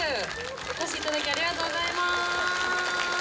お越しいただき、ありがとうございます。